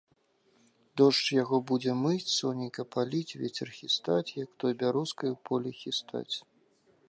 Дождж яго будзе мыць, сонейка паліць, вецер хістаць, як той бярозкай у полі хістаць.